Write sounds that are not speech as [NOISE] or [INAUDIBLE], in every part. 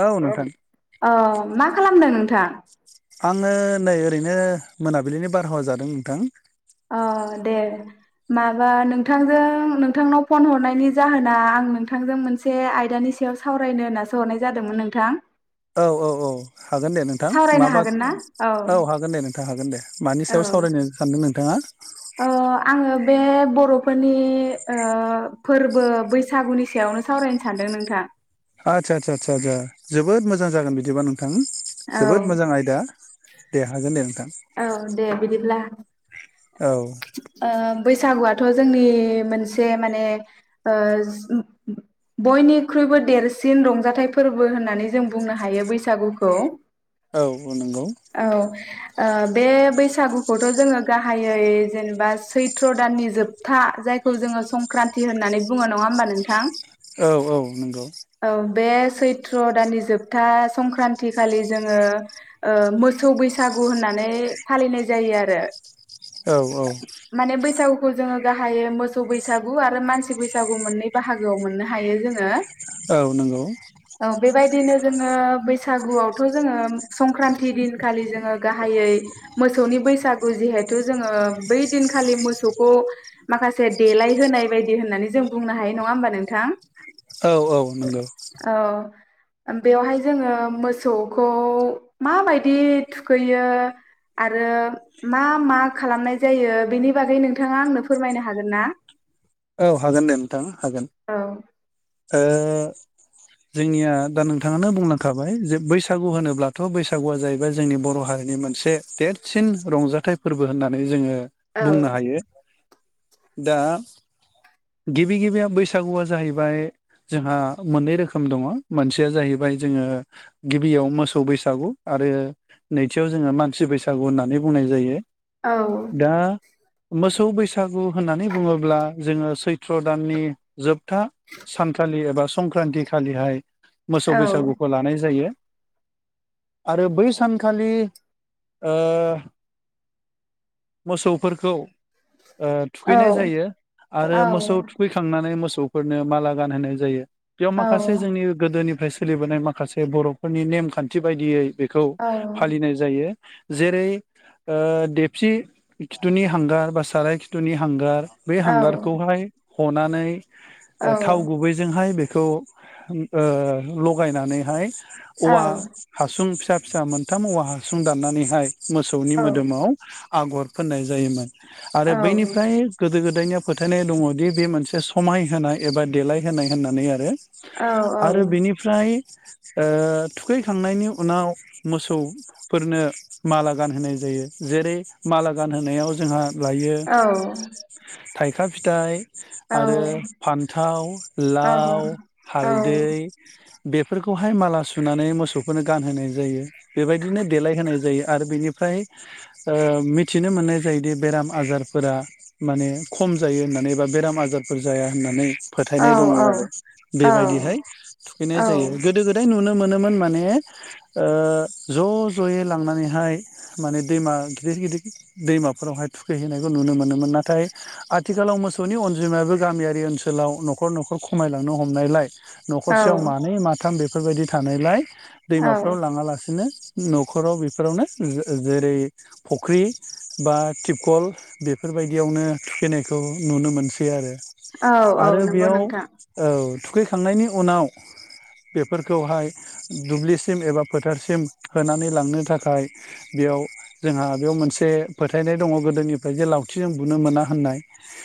औ नोंथां औ मा खालामदों नोंथाङा? आंङो नै ओरैनो मोनाबिलिनि बारहावा जादों नोंथां। अ दे। माबा नोंथांजों नोंथांनाव फन हरनायनि जाहोना आं नोंथांजों मोनसे आयदानि सायाव सावरायनो होननासो हरनाय जादोंमोन नोंथां। औ औ औ हागोन दे नोंथां। मा सावरायनो बाथ हागोन ना औ हागोन दे नोंथां हागोन दे। मानि औ सायाव सावरायनो सानदों नोंथाङा? ओ आंङो बे बर'फोरनि ओ फोरबो बैसागुनि सायावनो सावरायनो सान दों नोंथां। आदसा आदसा आदसासा जोबोद मोजां जागोन बिबदिबा नों थां औ जोबोद मोजां आयदा। दे हागोन दे नोंथां। औ दे बिदिब्ला। औ। ओ बैसागुआथ' जोंनि मोनसे माने ओ बयनिख्रुइबो देरसिन रंजाथाइ फोरबो होननानै जों बुंनो हायो बैसागुखौ। औ नंगौ। औ ओ बे बैसागुखौथ' जोङो गाहायै जेनेबा सैथ्र दाननि जोबथा जायखौ जोङो संक्रान्ति होननानै बुङो नङा होमबा नोंथां औ औ नंगौ ओं। बे सैथ्र दाननि जोबथा संक्रान्ति खालि जोङो ओ मोसौ बैसा गु होननानै फालिनाय जायो आरो औ औ। खौ जोङो गाहायै मोसौ बैसागु आरो मानसि बैसागु मोननै बाहागोआव मोननो हायो जोङो। औ नंगौ। [UNINTELLIGIBLE] जोङो बैसागुआवथ' जोङो संख्रान थि दिनखालि जोङो गाहायै मोसौनि बैसागु। जिहेथु जोङो बै दिनखालि मोसौखौ माखासे देलाय होनाय बायदि होननानै जों बुंनो हायो। नङा होमबा नोंथां? औ औ नंगौ। औ बेवहाय जोङो मोसौखौ माबायदियै थुखैयो आरो मा मा खालामनाय जायो बेनि बागै नोंथाङा आंनो फोरमायनो हागोन ना? औ हागोन दे नोंथां हागोन। औ ओ जोंनिया दा नोंथाङानो बुंलांखाबाय जे बैस सागु होनोब्लाथ' बैसागुआ जाहैबाय जोंनि बर' हारिनि मोनसे देरसिन रंजाथाइ फोरबो होननानै जोङो बुंनो औ हायो। दा गिबि गिबिया बैसागुआ जाहैबाय जोंहा मोननै रोखोम दङ'। मोनसेया जाहैबाय जोङो गिबियाव मोसौ बैसागु आरो नैथियाव जोङो मानसि बैसागु होननानै बुंनाय जायो। औ। दा मोसौ बैसागु होननानै बुङोब्ला जोंङो सैथ्र दाननि जोब जोबथा सानथलि एबा संक्रान्ति खालिहाय मोसौ बैसागुखौ लानाय जायो। आरो बै सानखालि ओ मोसौफोरखौ ओ थुखैनाय जायो आरो मोसौ थुखै खांना नानै मोसौफोरनो माला गानहोनाय जायो बेवमाखासे जोंनि गोदोनिफ्राय सो सोलिबोनाय माखासे बर'फोरनि नेमखान्थि बायदियै बेखौ फालिनाय जायो। जेरै ओ देबसि खिथुनि हांगार बा साराय खिथुनि हांगार बे हांगारखौहाय हनानै थाव गुबैजोंहाय बे खौ ओ लगायनानैहाय औवा हासुं फिसा फिसा मोनथाम औवा हासुं दाननानैहाय मोसौनि मोदोमाव आगर फोननाय जायोमोन। आरो बैनिफ्राय गोदो गो गोदायनिया फोथायनाय दङदि बे मोनसे समाय होनाय एबा देलायहोनाय होननानै आरो। आरो बेनिफ्राय ओ थुखैखांनायनि उनाव मोसौफोरनो माला गानहोनाय जायो। जेरै माला गानहोनायाव जोंहा लायो औ। थाइखा फिथाइ, आरो फान्थाव, लाव, हालदै, बेफोरखौहाय माला सुनानै मोसौफोरनो गानहोनाय जायो। बेबायदिनो देलायहोनाय जायो आरो बेनिफ्रा फ्राय मिथिनो मोननाय जायोदि बेराम आजारफोरा माने खम जायो होननानै बा बेराम आजारफोर जाया होननानै। फोथायनाय दङ आरो बेबायदिहाय थुखैनाय औ जायो गोदो गोदाय नुनो मोनोमोन माने ओ ज जयै लांनानैहाय माने दैमा गिदिर गिदिर दैमाफोरावहाय थुखैहैनायखौ नुनो मोनोमोन। ना नाथाय आथिखालाव मोसौनि अनजिमायाबो गामियारि ओनसोलाव न'खर न'खर खमायलांनो हमनायलाय न'खरसेयाव मानै माथाम बेफोरबायदि थानायलाय दैमाफ्राव लाङालासिनो न'खराव बेफोरावनो जेरै फुख्रि बा थिपखल बेफोरबायदि यावनो थुखैनायखौ नुनो मोनसै आरो आरो नंगौ बेयाव नोंथां औ थुखैखांनायनि उनाव बेफोरखौहाय दुब्लिसिम एबा फोथारसिम होनानै लांनो थाखाय बे -याव जोंहा बेयाव मोनसे फोथायनाय दङ गोदोनिफ्राय जे लाव लावथिजों बुनो मोना होननाय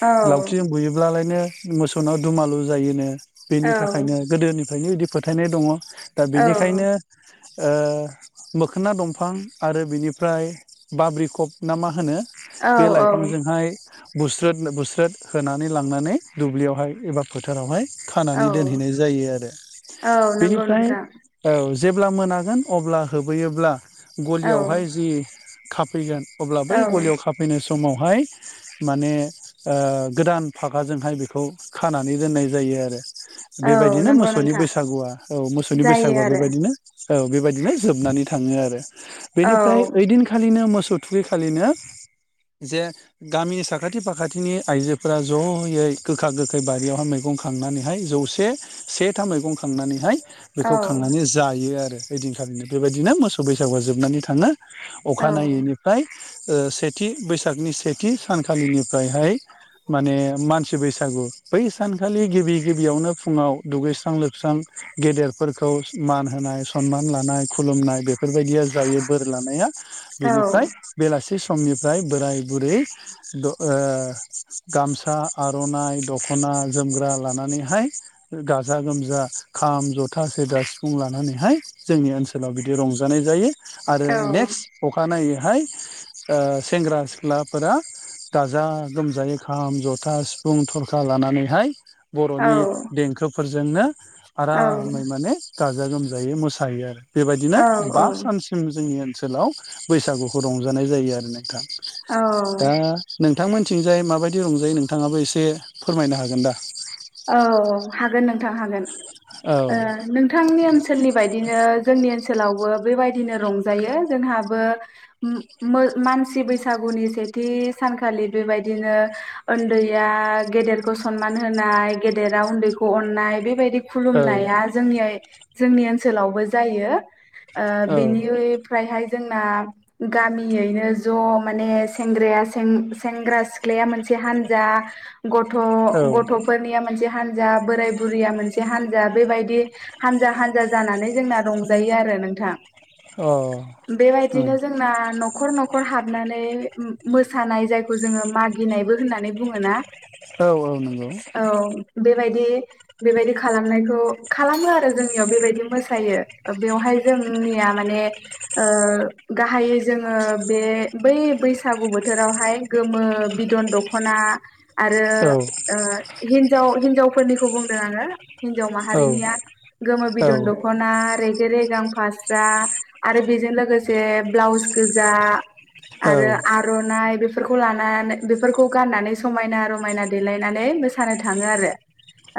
औ लावथिजों बुयोब्लालायनो मोसौनाव दुमालु जायोनो। बेनि औ थाखायनो गोदोनिफ्रायनो बिदि फोथायनाय दङ दा बेनिखायनो औ ओ मोखोना दंफां आरो बिनिफ्राय बाब्रि खब ना मा होनो? औ औ। बिफांजोंहाय बुस्रोद बुस्रोद होनानै लांनानै दुब्लियावहाय एबा फोथारावहाय औ खानानै दोनहैनाय जायो आरो औ नंगौ बेनिफ्राय नोंथां औ जेब्ला मोनागोन अब्ला होबैयोब्ला औ गलियावहाय जि खाफैगोन अब्ला बै औ गलियाव खाफैनोसै समावहाय माने ओ गोदान फागाजोंहाय बेखौ खानानै दोननाय जायो आरो। औ बेबायदिनो नंगौ मोसौनि नोंथां बैसागुआ औ मोसौनि जायो बैसागुआ आरो बेबायदिनो। औ बेबायदिनो जोबनानै थाङो आरो। बेनिफ्राय ओइदिनखालिनो मोसौ थुखैखालिनो जे गामि साखाथि फाखाथिनि आइजोफोरा जयै गोखा गोखै बारियावहाय मैगं खाङो खांनानैहाय जौसे सेथा मैगं खांनानैहाय औ बेखौ खांनानै जायो आरो ओइदिनखालिनो बेबायदिनो मोसौ बैसागुआ जोबनानै थाङो। औ औ अखानायैनिफ्राय सेथि बैसा सेथि सानखालिनिफ्रायहाय माने मानसि बैसागु बै सानखालि गि गिबि गिबियावनो फुंङाव दुगैस्रां लोबस्रां गेदेरफोरखौ मान होनाय सनमान लानाय। खुलुमनाय बेफोरबायदिया जायो बोर लानाया औ बेनिफ्राय बेलासि समनिफ्राय बोराय बुरै द' ओ गामसा आर'नाइ दख'ना जोमग्रा लाना नैहाय गाजा गोमजा खाम जथा सेरजा सिफुं लानानैहाय जोंनि ओनसोला बिदि रंजानाय जायो। आरो औ नेक्स अखानायैहाय ओ सेंग्रा सिख्लाफोरा गाजा गोमजायै खाम जथा सिफुं थरखा लानानैहाय बर'नि देंखोफोरजोंनो औ आरामै माने गाजा गोमजायै मोसायो आरो बेबायदिनो बा सानसिम जोंनि ओनसोलाव बैसागुखौ रंजानाय जायो आरो नोंथां औ दा नों थांमोनथिंजाय माबायदि रंजायो नोंथाङाबो एसे फोरमायनो हागोन दा? औ हागोन नोंथां हागोन। औ ओ नोंथांनि ओनसोलनि बायदिनो जोंनि ओनसोलावबो बेबाय दिनो रंजायो जोंहाबो उम मो मानसि बैसागुनि सेथि सानखालि बेबायदिनो उन्दै या गेदेरखौ सनमान होनाय। गेदेरा उन्दैखौ अननाय बेबायदि औ खुलुमनाया जोंनि जोंनि ओनसोलावबो जायो ओ बेनिफ्रायहाय जोंना गामियैनो ज' माने सेंग्राया सें सेंग्रा सिख्लाया मोनसे हानजा गथ' औ गथ'फोरनिया मोनसे हानजा बोराय बुरिया मोनसे हानजा बेबायदि हानजा हानजा जानानै जोंना रंजा यो आरो नोंथां। औ बेबायदिनो जोंना नखर न खर हाबनानै उम मोसानाय जायखौ जोङो मागिनायबो होननानै बुङो ना? औ औ नंगौ। बेबायदि बेबायदि खालामनायखौ खालामो आरो जोंनियाव बेबायदि मोसायो बेवहाय जोंनिया माने ओ गाहायै जोङो बे बै बैसागु बोथोरावहाय गोमो बिदन दख ना आरो औ ओ हिजाव हिनजावफोरनिखौ बुंदों आङो हिनजाव औ माहारिनिया गोमो औ बिदन दख'ना रेगे रेगां फास्रा आरो बेजों लोगोसे ब्लाउस गोजा। आरो आर'नाइ बे फोरखौ लानानो बेफोरखौ गाननानै समायना रमायना देलायनानै मोसानो थांङो आरो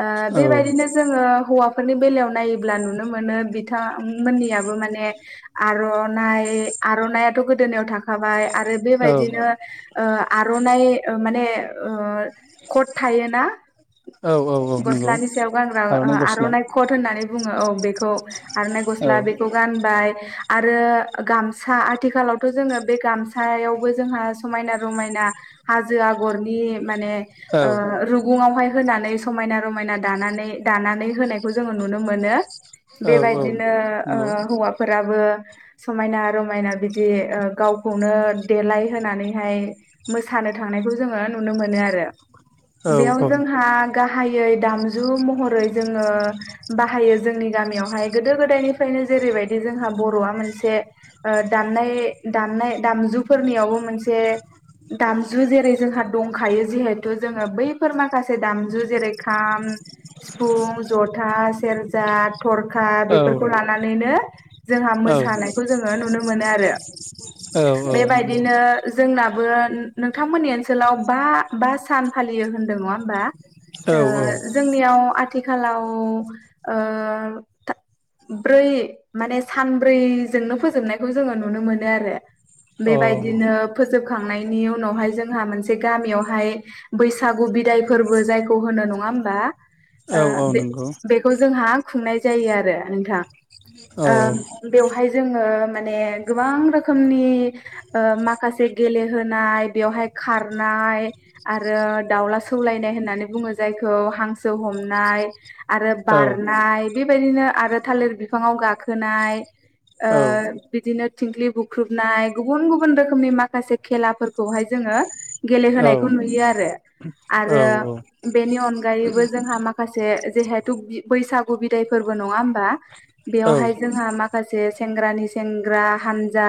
ओ औ बेबायदिनो जोङो हौवा फोरनि बेलायाव नायोब्ला नुनो मोनो बिथांमोननियाबो माने आर'नाइ आर'नाइयाथ' गोदोनायाव थाखाबाय आरो बेबायदिनो ओ आर'नाइ माने ओ कट थायोना औ औ नंगौ गस्लानि सायाव गानग्रा ओ आर'नाइ कट होननानै बुंङो औ बेखौ आरनाइ औ गस्ला बेखौ गानबाय। आरो गामसा आथिखालावथ' जोङो बे गामसायावबो जोंहा समायना रमायना हाजो आगरनि माने औ ओ रुगुङावहाय होनानै समायना रमायना दानानै दानानै होनायखौ जोङो नुनो मोनो। औ बेबायदिनो ओ नंगौ हौवाफोराबो समायना रमायना बिदि गावखौनो देलाय होनानैहाय मोसानो थां नायखौ जोङो नुनो मोनो आरो। औ बेयाव औ। जोंहा गाहायै दामजु महरै जोङो बाहायो जोंनि गामियावहाय गोदो गोदाय निफ्रायनो जेरैबायदि जोंहा बर'आ मोनसे ओ दामनाय दामनाय दामजुफोरनियाव औ मोनसे दामजु जेरै जोंहा दंखायो जिहेतु जोङो बैफोर मा माखासे दामजु जेरै खाम सिफुं जथा सेरजा थरखा औ बेफोरखौ लानानैनो जोंहा औ मोसानायखौ जोङो नुनो मोनो आरो। औ औ नंगौ बेबायदिनो जोंनाबो नोंथांमोननि ओनसोलाव बा -बा सान फालियो होनदों नङा होमबा? अ ओ औ जोंनियाव आथिखालाव ओ ब्रै माने सानब्रैजोंनो फोजोबनायखौ जोङो नुनो मोनो आरो। बेबायदिनो फोजोब खांनायनि उनावहाय जोंहा मोनसे गामियावहाय बैसागु बिदाय [UNINTELLIGIBLE] जायखौ होनो नङा होमबा, ओ औ नंगौ बेखौ जोंहा खुंनाय जायो आरो नोंथां। औ ओ बेवहाय जोङो माने गोबां रोखोमनि ओ माखासे गेलेहोनाय बेवहाय खारनाय आरो दाउला [UNINTELLIGIBLE] सौलायनाय होननानै बुङो जायखौ, हांसो हमनाय आरो औ बारनाय बेबायदिनो आरो थालिर बिफाङाव गाखोनाय, ओ औ बिदिनो थिंख्लि बुख्रुबनाय गुबुन-गुबुन रोखोमनि माखासे खेलाफोरखौहाय जोङो औ गेलेहोनायखौ नुयो आरो। आरो औ बेनि अनगायैबो जोंहा [UNINTELLIGIBLE] [UNINTELLIGIBLE] जेहेथु बैसागु बिदाय फोरबो नङा होमबा, बेवहाय औ जोंहा [UNINTELLIGIBLE] माखासे सेंग्रानि-सेंग्रा हानजा,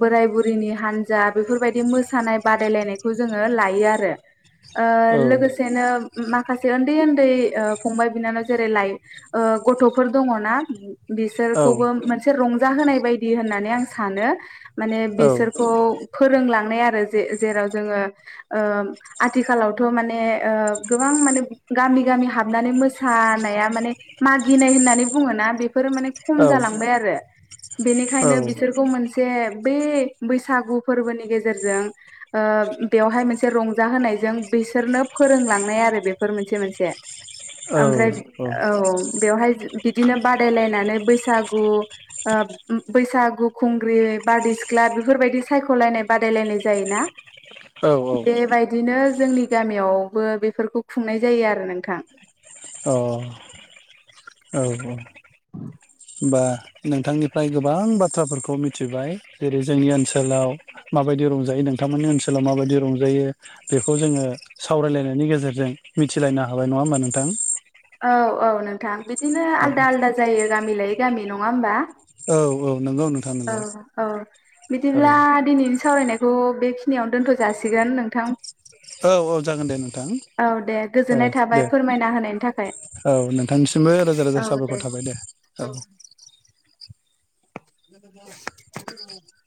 बोराय-बुरिनि हानजा बेफोरबायदि मोसानाय बादायलायनायखौ जोङो लायो आरो। ओ लोगोसेनो माखासे उन्दै-उन्दै ओ फंबाय-बिनानाव जेरै लाइ गथ'फोर दङ ना। बिसोरखौबो मोनसे रंजाहोनाय बायदि होननानै आं सानो। माने बेसोरखौ फोरोंलांनाय आरो जे जेराव जोङो ओ [UNINTELLIGIBLE] आथिखालावथ' माने ओ गोबां माने गामि- गामि हाबनानै मोसानाया माने [UNINTELLIGIBLE] मागिनाय होननानै बुङोना बेफोरो माने खम जालांबाय आरो। बेनिखायनो बिसोरखौ मोनसे से बै बैसागु फोरबोनि गेजेरजों ओ बेवहाय मोनसे रंजा होनाय जों बेसोरनो फोरोंलांनाय आरो बेफोर मोनसे -मोनसे। ओमफ्राय औ बेवहाय बिदिनो बादायलायनानै बैसागु ओ बैसागु खुंग्रि बारदै सिख्ला बेफोरबायदि सायख'लायनाय बादायलायनाय जायोना? औ औ। बेबायदिनो जोंनि गामियावबो बेफोरखौ खुंनाय जायो आरो नोंथां। अ। औ औ [UNINTELLIGIBLE] नोंथांनिफ्राय गोबां बाथ्राफोरखौ मिथिबाय। जेरै जोंनि ओनसोलाव माबायदि रंजायो। नोंथांमोननि ओनसोलाव माबायदि रंजायो बेखौ जोङो सावरायलायनायनि गेजेरजों मिथिलायनो हाबाय। नङा होमबा नोंथां? औ औ नोंथां बिदिनो आलदा -आलदा जायो गामि लायै गामि नङा होमबा? औ औ। नंगौ नोंथां औ नंगौ औ औ बिदिब्ला दिनै सावरायनायखौ बेखिनियावनो दोनथ' जासिगोन नोंथां। औ औ जागोन दे नोंथां औ दे औ गोजोननाय थाबाय दे। फोरमायना होनायनि थाखाय औ नोंथांनिसिमबो रोजा -रोजा साबायखर थाबाय दे औ। [UNINTELLIGIBLE]